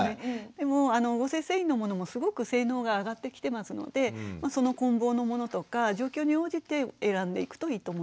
でも合成繊維のものもすごく性能が上がってきてますのでその混紡のものとか状況に応じて選んでいくといいと思います。